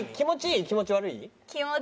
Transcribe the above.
気持ち悪い？